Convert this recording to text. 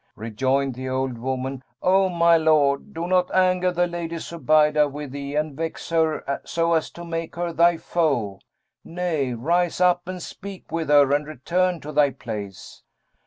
Rejoined the old woman, 'O my lord, do not anger the Lady Zubaydah with thee and vex her so as to make her thy foe: nay, rise up and speak with her and return to thy place.'